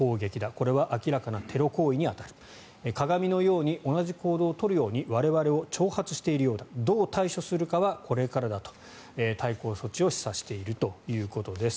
これは明らかなテロ行為に当たる鏡のように同じ行動を取るように我々を挑発しているようだどう対処するかはこれからだと対抗措置を示唆しているということです。